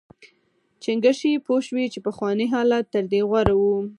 چنګښې پوه شوې چې پخوانی حالت تر دې غوره و.